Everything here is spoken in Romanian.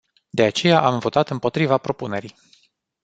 De aceea, am votat împotriva propunerii.